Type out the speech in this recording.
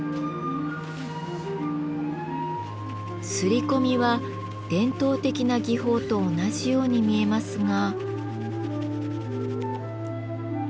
摺り込みは伝統的な技法と同じように見えますが。